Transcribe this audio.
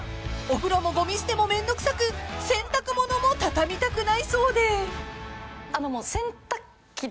［お風呂もごみ捨ても面倒くさく洗濯物も畳みたくないそうで］